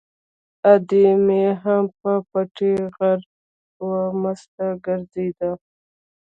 ادې مې هم په پټي غره وه، مسته ګرځېده.